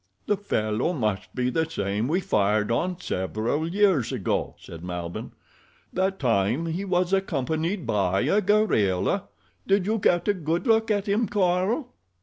"The fellow must be the same we fired on several years ago," said Malbihn. "That time he was accompanied by a gorilla. Did you get a good look at him, Carl?"